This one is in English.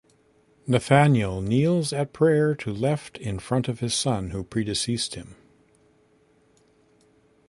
Nathaniel kneels at prayer to left in front of his son, who predeceased him.